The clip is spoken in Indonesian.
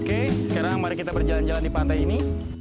oke sekarang mari kita berjalan jalan di pantai ini